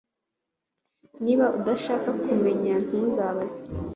Niba udashaka kumenya ntubaze